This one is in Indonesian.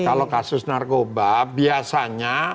kalau kasus narkoba biasanya